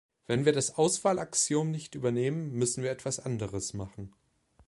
Wenn wir das Auswahlaxiom nicht übernehmen, müssen wir etwas anderes machen.